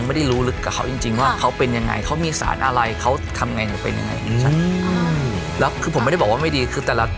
มีช่วงภาพมะนาวไม่พอเราเริ่มรับเปิดซื้อกาเสธกรเข้ามา